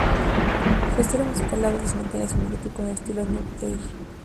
Su estilo musical a veces mantiene similitud con el estilo new age.